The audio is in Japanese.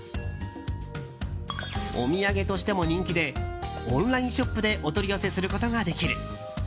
お土産としても人気でオンラインショップでお取り寄せすることができる。